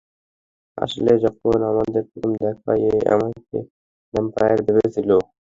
আসলে, যখন আমাদের প্রথম দেখা হয়, ও আমাকে ভ্যাম্পায়ার ভেবেছিল।